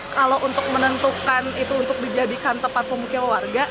kalau untuk menentukan untuk dijadikan tempat pemukulnya warga